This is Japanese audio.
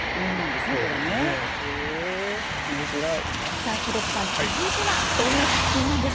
さあ英樹さん続いてはどんな作品なんでしょうか。